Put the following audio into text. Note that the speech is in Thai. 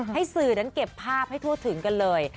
ให้สื่อนั้นเก็บภาพให้ทั่วถึงกันเลย